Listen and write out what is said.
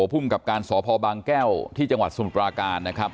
ภูมิกับการสพบางแก้วที่จังหวัดสมุทรปราการนะครับ